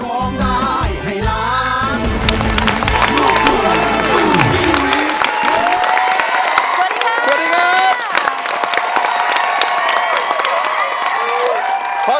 สวัสดีครับ